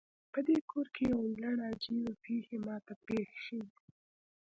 پدې کور کې یو لړ عجیبې پیښې ما ته پیښ شوي